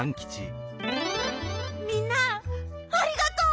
みんなありがとう！